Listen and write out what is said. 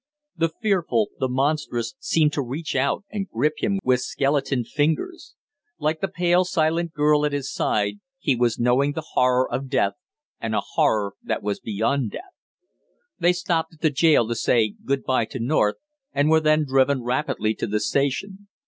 The fearful, the monstrous, seemed to reach out and grip him with skeleton fingers. Like the pale silent girl at his side, he was knowing the horror of death, and a horror that was beyond death. They stopped at the jail to say good by to North, and were then driven rapidly to the station.